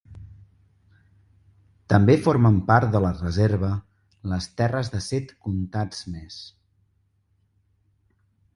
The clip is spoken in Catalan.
També formen part de la reserva les terres de set comtats més.